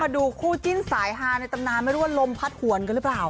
ดูคู่จิ้นสายฮาในตำนานไม่รู้ว่าลมพัดหวนกันหรือเปล่า